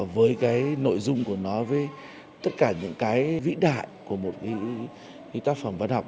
với cái nội dung của nó với tất cả những cái vĩ đại của một cái tác phẩm văn học